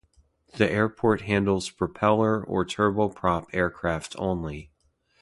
The airport handles propeller or turbo prop aircraft only.